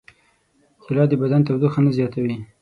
کېله د بدن تودوخه نه زیاتوي.